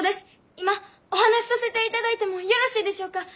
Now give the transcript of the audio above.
今お話しさせていただいてもよろしいでしょうか。